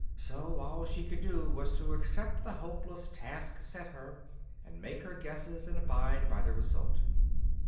So all she could do was to accept the hopeless task set her, and make her guesses and abide by the result.